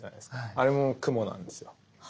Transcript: あれも雲なんですよ。